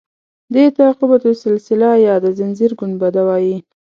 دې ته قبة السلسله یا د زنځیر ګنبده وایي.